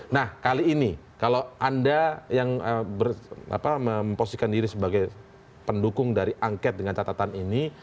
nah kali ini kalau anda yang memposisikan diri sebagai pendukung dari angket dengan catatan ini